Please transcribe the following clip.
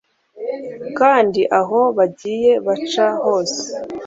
kandi aho bagiye baca hose